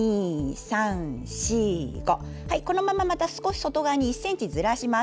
このまま、また少し外側に１ｃｍずらします。